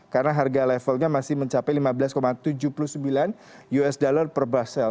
karena harga levelnya masih mencapai lima belas tujuh puluh sembilan usd per basel